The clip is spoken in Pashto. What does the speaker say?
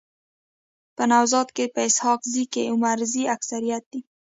په نوزاد کي په اسحق زو کي عمرزي اکثريت دي.